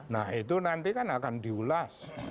nah itu nanti kan akan diulas